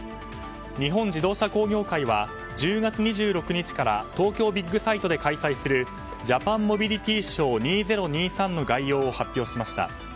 日本自動車工業会は１０月２６日から東京ビッグサイトで開催するＪＡＰＡＮＭＯＢＩＬＩＴＹＳＨＯＷ２０２３の概要を発表しました。